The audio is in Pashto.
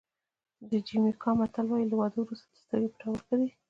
د جمیکا متل وایي له واده وروسته د سترګې پټول ښه دي.